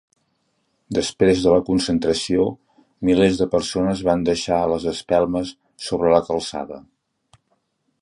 Després de la concentració, milers de persones van deixar les espelmes sobre la calçada.